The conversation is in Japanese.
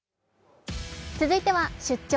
続いては「出張！